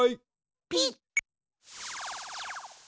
ピッ。